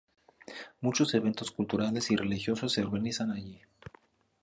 Muchos eventos culturales y religiosos se organizan allí.